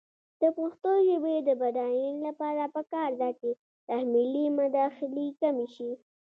د پښتو ژبې د بډاینې لپاره پکار ده چې تحمیلي مداخلې کمې شي.